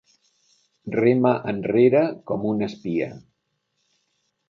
Rema enrere com un espia.